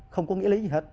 không có nghĩa lý gì hết